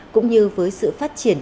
cũng như với sự phát triển